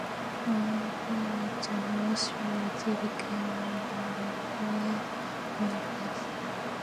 On forays to North Shore, they became enamored with Marblehead.